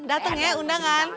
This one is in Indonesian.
datang ya undangan